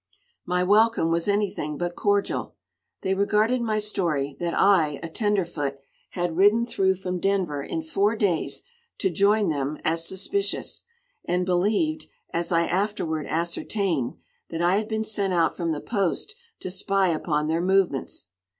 My welcome was anything but cordial. They regarded my story that I, a tenderfoot, had ridden through from Denver in four days to join them as suspicious, and believed, as I afterward ascertained, that I had been sent out from the post to spy upon their movements.